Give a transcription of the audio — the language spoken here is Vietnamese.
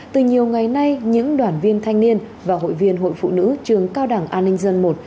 từ nhiều ngày nay những đoàn viên thanh niên và hội viên hội phụ nữ trường cao đảng an ninh dân i